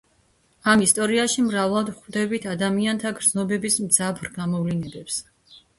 ამ ისტორიაში მრავლად ვხვდებით ადამიანთა გრძნობების მძაფრ გამოვლინებებს.